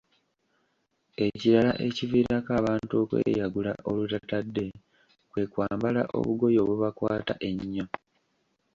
Ekirala ekiviirako abantu okweyagula olutatadde kwe kwambala obugoye obubakwata ennyo.